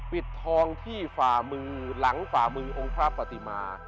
ปิดทองที่ฝ่ามือหลังฝ่ามือองค์พระปฏิมา